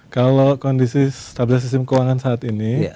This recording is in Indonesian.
kalau kondisi stabilitas sistem keuangan saat ini